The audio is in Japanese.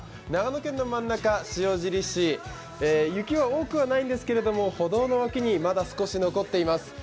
長野県の真ん中、塩尻市、雪は多くはないんですけれども、歩道の脇にまだ少し残っています。